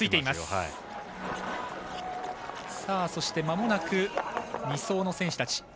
まもなく２走の選手たち。